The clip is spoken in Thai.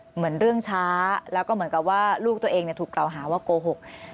เหมือนเรื่องช้าแล้วก็เหมือนกับว่าลูกตัวเองถูกกล่าวหาว่าโกหก